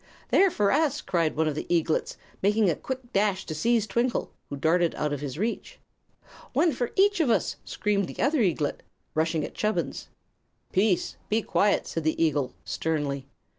"They're for us!" cried one of the eaglets, making a quick dash to seize Twinkle, who darted out of his reach. "One for each of us!" screamed the other eaglet, rushing at Chubbins. "Peace be quiet!" said the eagle, sternly.